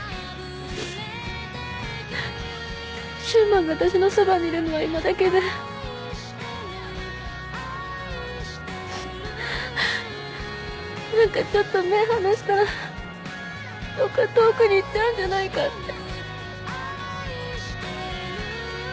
柊磨が私のそばにいるのは今だけでううっ何かちょっと目離したらどっか遠くに行っちゃうんじゃないかって。